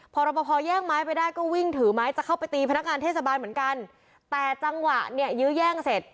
พอรับประพอแย่งไม้ไปได้ก็วิ่งถือไม้จะเข้าไปตีพนักงานเทศบาลเหมือนกันแต่จังหวะเนี่ยยื้อแย่งเสร็จ